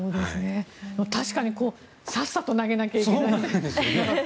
確かにさっさと投げなきゃいけない。